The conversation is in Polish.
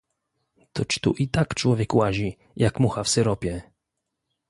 "Toć tu i tak człowiek łazi, jak mucha w syropie!"